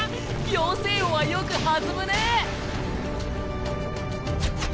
妖精王はよく弾むねぇ。